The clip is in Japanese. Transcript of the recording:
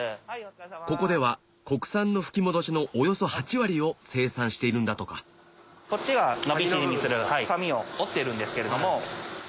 ここでは国産の吹き戻しのおよそ８割を生産しているんだとかこっちが伸び縮みする紙を折ってるんですけれども。